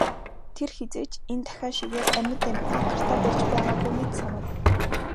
Тэр хэзээ ч энэ тахиа шигээ амьд амьтныг гартаа барьж байгаагүй мэт санав.